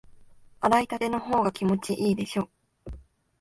洗いたてのほうが気持ちいいでしょ？